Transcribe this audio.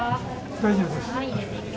大丈夫です。